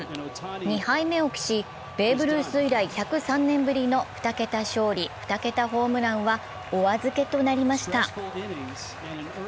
２敗目を喫し、ベーブ・ルース以来１０３年ぶりの２桁勝利、２桁ホームランはお預けとなりました。